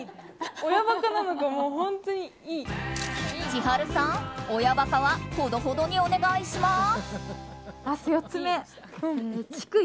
千春さん、親バカはほどほどにお願いします。